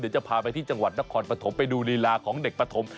เดี๋ยวจะพาไปที่จังหวัดนครปฐมไปดูลีลาของเด็กปฐม